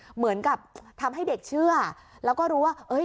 เหมือนกับทำให้เด็กเชื่อแล้วก็รู้ว่าเอ้ย